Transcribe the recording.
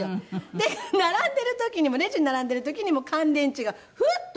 で並んでる時にもレジに並んでる時にも乾電池がフッと。